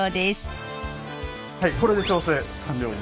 はいこれで調整完了に。